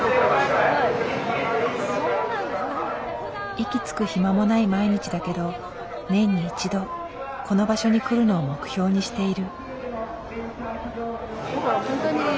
息つく暇もない毎日だけど年に１度この場所に来るのを目標にしている。